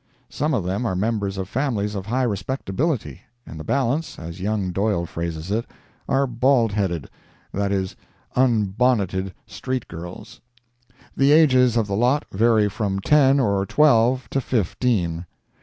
Some of them are members of families of high respectability, and the balance, as young Doyle phrases it, are "baldheaded," that is, unbonneted street girls. The ages of the lot vary from ten or twelve to fifteen.